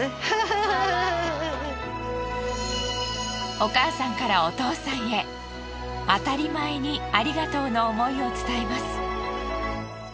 お母さんからお父さんへあたりまえにありがとうの思いを伝えます。